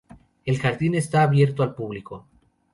El jardín está abierto al público.